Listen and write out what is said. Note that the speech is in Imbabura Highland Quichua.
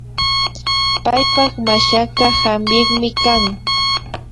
Paypak mashaka hampikmi kan